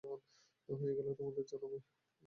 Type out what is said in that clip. হয়ে গেলে তোমাকে জানাবো।